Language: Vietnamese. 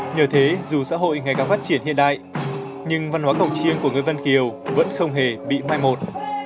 nhờ thế dù xã hội ngày càng phát triển hiện đại nhưng văn hóa cầu chiêng của người vân kiều vẫn không hề bị mai một